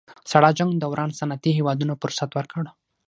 ساړه جنګ دوران صنعتي هېوادونو فرصت ورکړ